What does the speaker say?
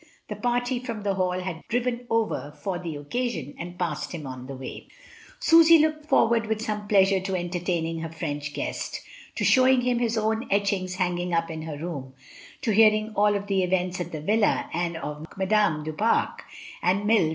The party from the Hall had driven over for the occasion, and passed him on the way. Susy looked forward with some pleasure to en tertaining her French guest, to showing him his own etchings hanging up in her room, to hearing of all the events at the villa, and of Madame du Pare, and Mile.